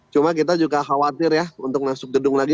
cuma kita juga khawatir ya untuk masuk gedung lagi